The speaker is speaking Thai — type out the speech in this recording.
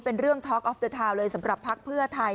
เป็นเรื่องทอล์กอฟเตอร์ทาวน์เลยสำหรับภักดิ์เพื่อไทย